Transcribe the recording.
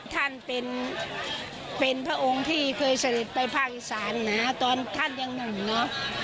ท่านเป็นพระองค์ที่เคยเสด็จไปภาคอีสานนะตอนท่านยังหนุ่มเนาะ